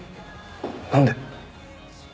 なんで。